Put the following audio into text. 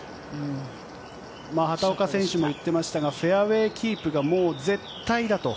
畑岡選手も言っていましたがフェアウェーキープがもう絶対だと。